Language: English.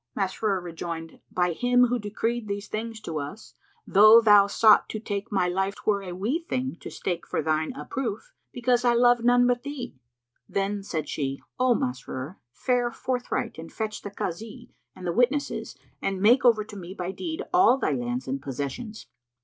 Masrur rejoined, "By Him who decreed these things to us, though thou sought to take my life 'twere a wee thing to stake for thine approof, because I love none but thee!" Then said she, "O Masrur, fare forthright and fetch the Kazi and the witnesses and make over to me by deed all thy lands and possessions."